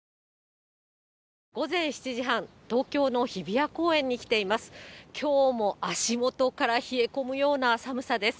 午前７時半、東京の日比谷公園に来ています。